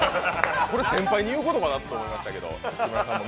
これ先輩に言うことかなと思いましたけれども。